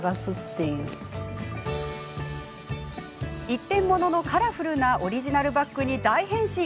一点物のカラフルなオリジナルバッグに大変身。